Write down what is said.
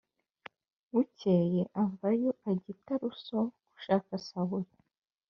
Bukeye avayo ajya i taruso gushaka sawuli